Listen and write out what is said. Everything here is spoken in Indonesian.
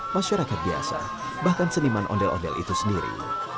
masyarakat biasa bahkan seniman ondel ondel itu sendiri